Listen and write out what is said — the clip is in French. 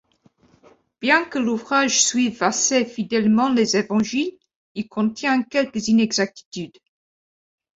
Bien que l'ouvrage suive assez fidèlement les évangiles, ils contient quelques inexactitudes.